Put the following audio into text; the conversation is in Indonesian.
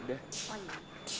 udah sampai ya